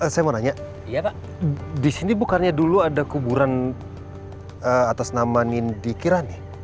saya mau nanya disini bukannya dulu ada kuburan atas nama nindi kirani